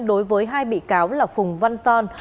đối với hai bị cáo là phùng văn son